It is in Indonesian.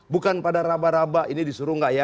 bukan pada raba raba ini disuruh nggak ya